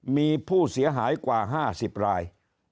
มีผู้เสียหายกว่า๕๐ราย